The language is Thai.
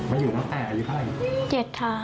มาอยู่ตั้งแต่อยู่เมื่อไหร่